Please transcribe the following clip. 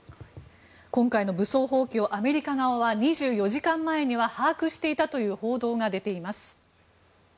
今回の武装蜂起をアメリカ側は２４時間前には把握していたという報道が出ています。